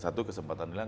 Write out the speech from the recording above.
satu kesempatan nilai